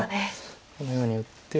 このように打って。